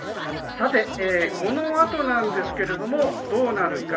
このあとなんですがどうなるか。